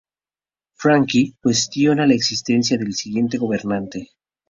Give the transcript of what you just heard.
Franke cuestiona la existencia del siguiente gobernante.